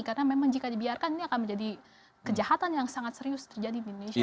karena memang jika dibiarkan ini akan menjadi kejahatan yang sangat serius terjadi di indonesia